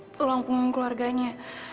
tolong pengen keluarganya